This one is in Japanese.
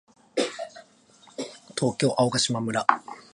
東京都青ヶ島村